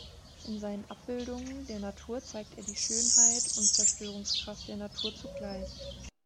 In seinen Abbildungen der Natur zeigt er die Schönheit und Zerstörungskraft der Natur zugleich.